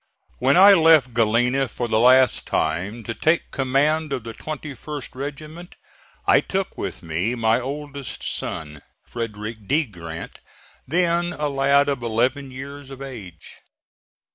When I left Galena for the last time to take command of the 21st regiment I took with me my oldest son, Frederick D. Grant, then a lad of eleven years of age.